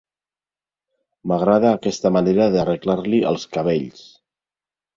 M'agrada aquesta manera d'arreglar-li els cabells.